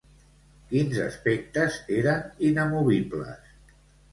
Quins aspectes eren inamovibles?